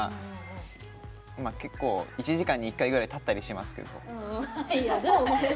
結構１時間に１回ぐらい立ったりしますけど。